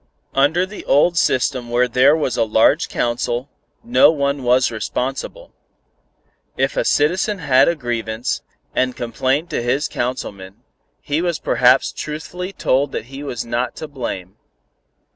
"Under the old system when there was a large council, no one was responsible. If a citizen had a grievance, and complained to his councilman, he was perhaps truthfully told that he was not to blame.